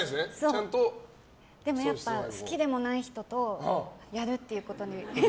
でもやっぱ好きでもない人とやるってことに。